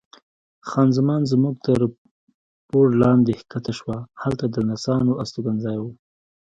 خان زمان زموږ تر پوړ لاندې کښته شوه، هلته د نرسانو استوګنځای و.